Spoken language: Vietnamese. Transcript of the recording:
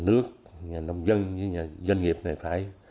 nước nhà nông dân với nhà doanh nghiệp này phải